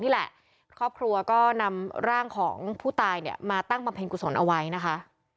นี่แหละครอบครัวก็นำร่างของผู้ตายเนี่ยมาตั้งบำเพ็ญกุศลเอาไว้นะคะ